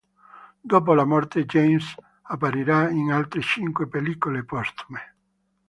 Dopo la morte James apparirà in altre cinque pellicole postume.